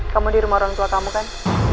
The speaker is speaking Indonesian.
kamu di rumah orang tua kamu kan